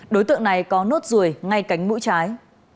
đối tượng này có nốt ruồi ngay cánh mũi trái